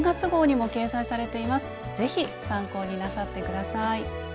是非参考になさって下さい。